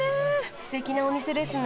すてきなお店ですね。